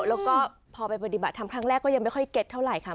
แล้วก็พอไปปฏิบัติทำครั้งแรกก็ยังไม่ค่อยเก็ตเท่าไหร่ค่ะ